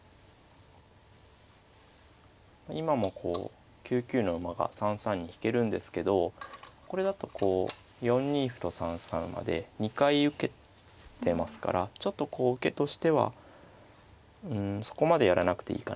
今もこう９九の馬が３三に引けるんですけどこれだとこう４二歩と３三馬で２回受けてますからちょっとこう受けとしてはうんそこまでやらなくていいかなと。